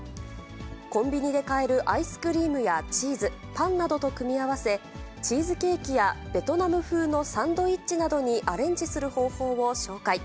コンビニで買えるアイスクリームやチーズ、パンなどと組み合わせ、チーズケーキやベトナム風のサンドイッチなどにアレンジする方法を紹介。